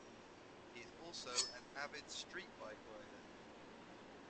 He is also an avid street bike rider.